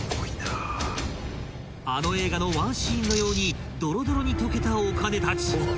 ［あの映画のワンシーンのようにドロドロに溶けたお金たち］